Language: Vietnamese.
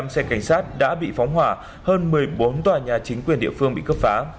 hai mươi năm xe cảnh sát đã bị phóng hỏa hơn một mươi bốn tòa nhà chính quyền địa phương bị cấp phá